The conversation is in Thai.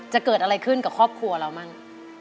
จะเกิดอะไรขึ้นกับครอบครัวเรามั่ง